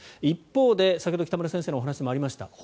一方で先ほど北村先生の話にもありました